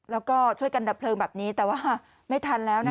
แล้วก็ช่วยกันดับเพลิงแบบนี้แต่ว่าไม่ทันแล้วนะคะ